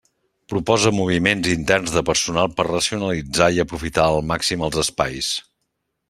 Proposa moviments interns de personal per racionalitzar i aprofitar al màxim els espais.